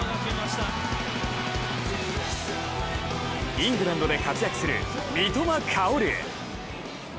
イングランドで活躍する三笘薫。